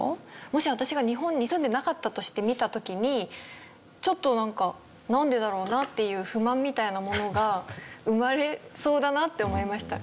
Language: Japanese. もし私が日本に住んでなかったとして見た時にちょっとなんかなんでだろうな？っていう不満みたいなものが生まれそうだなって思いました。